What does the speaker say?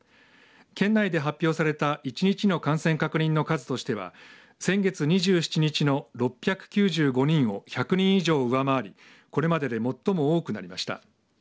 県内で発表された１日の感染確認の数としては先月２７日の６９５人を１００人以上上回りこれまでで最も多くなりました。